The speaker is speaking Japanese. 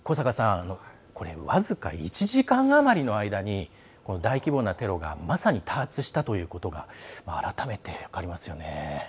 僅か１時間余りの間に大規模なテロがまさに多発したということが改めて分かりますよね。